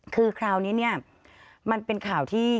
คือคราวนี้มันเป็นข่าวที่